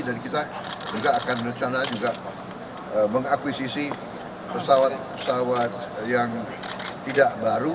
dan kita juga akan rencana mengakuisisi pesawat pesawat yang tidak baru